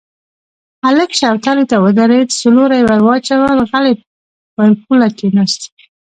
هلک شوتلې ته ودرېد، څو لوره يې ور واچول، غلی پر پوله کېناست.